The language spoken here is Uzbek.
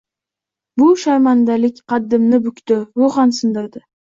Bu sharmandalik qaddimni bukdi, ruhan sindirdi